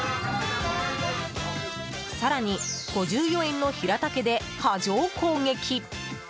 更に、５４円のヒラタケで波状攻撃。